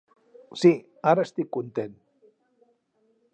Sí, ara estic content.